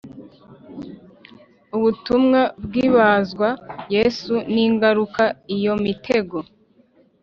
ubutumwa bwibazwa yesu ningaruka iyomitego